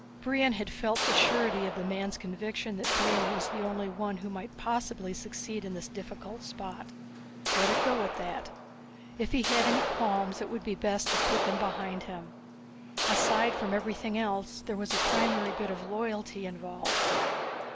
Brion had felt the surety of the man's conviction that Brion was the only one who might possibly succeed in this difficult spot. Let it go at that. If he had any qualms it would be best to put them behind him. Aside from everything else, there was a primary bit of loyalty involved.